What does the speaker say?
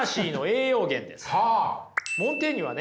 モンテーニュはね